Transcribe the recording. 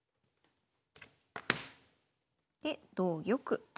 で同玉。